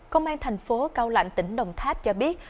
công an thành phố cao lạnh tỉnh đồng tháp cho biết